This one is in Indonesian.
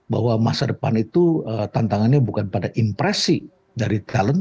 bahwa masa depan itu tantangannya bukan pada impresi dari talent